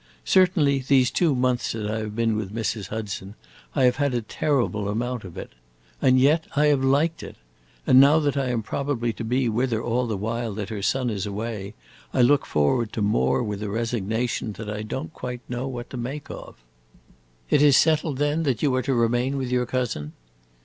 Certainly, these two months that I have been with Mrs. Hudson, I have had a terrible amount of it. And yet I have liked it! And now that I am probably to be with her all the while that her son is away, I look forward to more with a resignation that I don't quite know what to make of." "It is settled, then, that you are to remain with your cousin?"